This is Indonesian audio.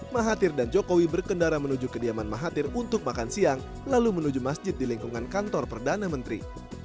mahathir dan jokowi berkendara menuju kediaman mahathir untuk makan siang lalu menuju masjid di lingkungan kantor perdana menteri